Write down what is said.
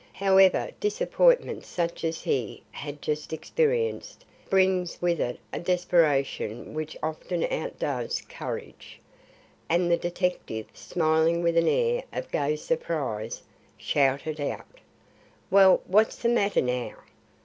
However, disappointment such as he had just experienced brings with it a desperation which often outdoes courage, and the detective, smiling with an air of gay surprise, shouted out: "Well, what's the matter now?